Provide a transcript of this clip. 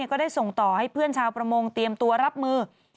ก็ได้ส่งต่อให้เพื่อนชาวประมงเตรียมตัวรับมือ